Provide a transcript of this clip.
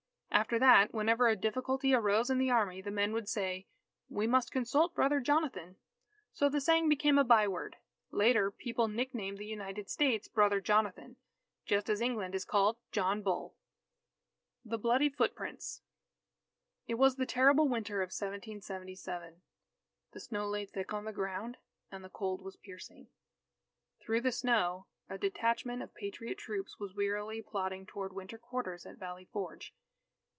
After that, whenever a difficulty arose in the Army, the men would say, "We must consult Brother Jonathan." So the saying became a byword. Later, people nicknamed the United States, "Brother Jonathan," just as England is called "John Bull." THE BLOODY FOOTPRINTS It was the terrible winter of 1777. The snow lay thick on the ground, and the cold was piercing. Through the snow, a detachment of Patriot troops was wearily plodding toward winter quarters at Valley Forge.